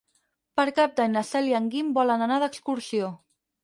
Per Cap d'Any na Cel i en Guim volen anar d'excursió.